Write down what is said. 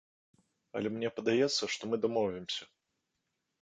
Але мне падаецца, што мы дамовімся.